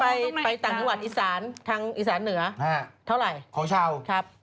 ใช่สมมุติไปต่างจังหวัดอีสานทางอีสานเหนือเท่าไหร่โคชาว